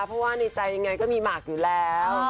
เพราะว่าในใจยังไงก็มีหมากอยู่แล้ว